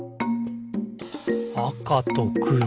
「あかとくろ」